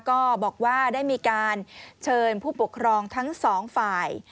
ก็บอกว่าได้มีการเชิญผู้ปกครองทั้งสองฝ่าย